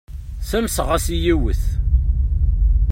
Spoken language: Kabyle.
Ssamseɣ-as i yiwet.